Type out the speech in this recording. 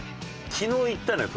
昨日行ったのよ